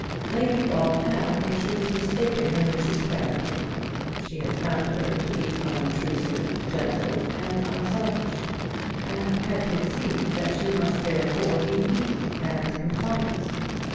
Lady Ball had in truth mistaken her niece's character. She had found her to be unobtrusive, gentle, and unselfish; and had conceived that she must therefore be weak and compliant.